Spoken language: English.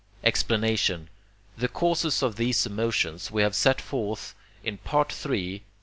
Explanation The causes of these emotions we have set forth in III.